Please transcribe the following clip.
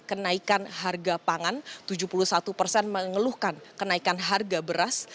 kenaikan harga pangan tujuh puluh satu persen mengeluhkan kenaikan harga beras